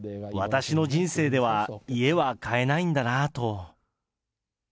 私の人生では家は買えないんだなと。